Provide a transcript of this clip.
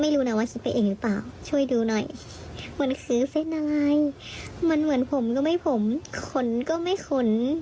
ไม่รู้นะว่าคิดไปเองหรือเปล่าช่วยดูหน่อยเหมือนซื้อเป็นยังไงมันเหมือนผมก็ไม่ผมขนก็ไม่ขน